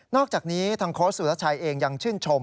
อกจากนี้ทางโค้ชสุรชัยเองยังชื่นชม